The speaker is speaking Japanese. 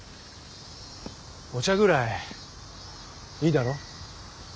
お茶ぐらいいいだろ？